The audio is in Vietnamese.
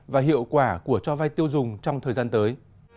và hiệu quả của cho vai tiêu dùng trong thời gian tới